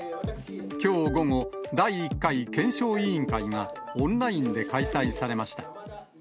きょう午後、第１回検証委員会がオンラインで開催されました。